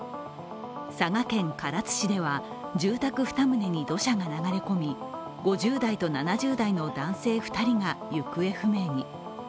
佐賀県唐津市では、住宅２棟に土砂が流れ込み５０代と７０代の男性２人が行方不明に。